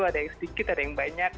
ada yang sedikit ada yang banyak